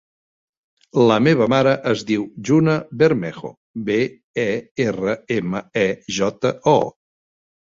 La meva mare es diu Juna Bermejo: be, e, erra, ema, e, jota, o.